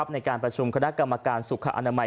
ในการประชุมคณะกรรมการสุขอนามัย